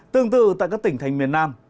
tương tự tại các tỉnh thành miền nam